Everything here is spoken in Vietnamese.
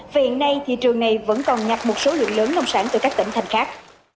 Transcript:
vì hiện nay thị trường này vẫn còn nhập một số lượng lớn nông sản từ các tỉnh thành khác